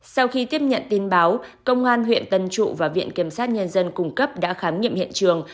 sau khi tiếp nhận tin báo công an huyện tân trụ và viện kiểm sát nhân dân cung cấp đã khám nghiệm hiện trường